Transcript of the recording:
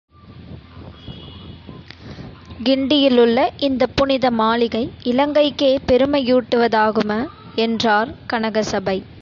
கிண்டியிலுள்ள இந்தப் புனித மாளிகை இலங்கைக்கே பெருமையூட்டுவதாகும என்றார் கனகசபை.